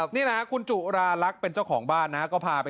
นี่นะครับคุณจุราลักษมณ์เป็นเจ้าของบ้านนะครับ